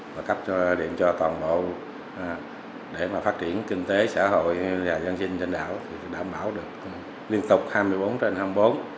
và cấp điện cho toàn bộ để mà phát triển kinh tế xã hội và dân sinh trên đảo thì đảm bảo được liên tục hai mươi bốn trên hai mươi bốn